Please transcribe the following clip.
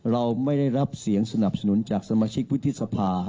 เราไม่ได้รับเสียงสนับสนุนจากสมาชิกวุฒิสภา